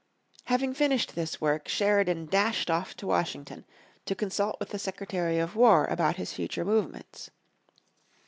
Having finished this work Sheridan dashed off to Washington, to consult with the Secretary of war about his future movements.